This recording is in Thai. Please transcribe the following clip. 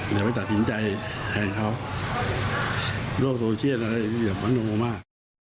อย่าไปตัดสินใจแทนเขาโลกโทรเชียดอะไรอย่าบันโนโมมาก